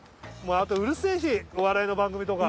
あとうるせえしお笑いの番組とか。